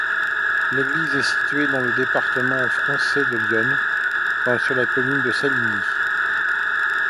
L'église est située dans le département français de l'Yonne, sur la commune de Saligny.